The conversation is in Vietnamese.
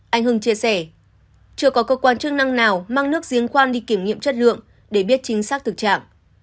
anh hưng chia sẻ chưa có cơ quan chức năng nào mang nước giếng khoan đi kiểm nghiệm chất lượng để biết chính xác thực trạng